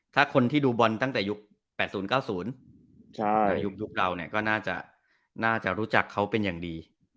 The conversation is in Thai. ถ้าคนที่ดูบอลตั้งแต่ยุค๘๐๙๐ในยุคเราเนี่ยก็น่าจะรู้จักเขาเป็นอย่างดี